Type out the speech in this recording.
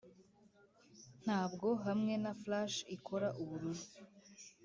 ntabwo hamwe na flash ikora ubururu